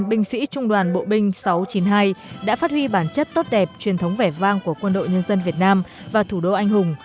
binh sĩ trung đoàn bộ binh sáu trăm chín mươi hai đã phát huy bản chất tốt đẹp truyền thống vẻ vang của quân đội nhân dân việt nam và thủ đô anh hùng